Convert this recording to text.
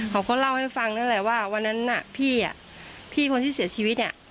เขาก็เล่าให้ฟังนั่นแหละว่าวันนั้นน่ะพี่พี่คนที่เสียชีวิต